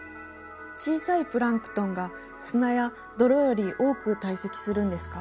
小さいプランクトンが砂や泥より多く堆積するんですか？